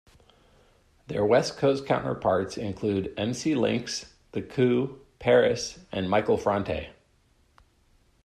Their West Coast counterparts include Emcee Lynx, The Coup, Paris, and Michael Franti.